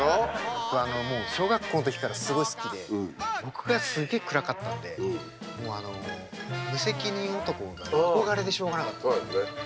僕あの小学校の時からすごい好きで僕がすげえ暗かったんで無責任男が憧れでしょうがなかった。